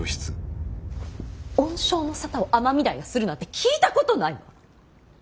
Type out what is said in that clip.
恩賞の沙汰を尼御台がするなんて聞いたことないわ。